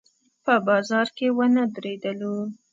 په بازار کې ونه درېدلو.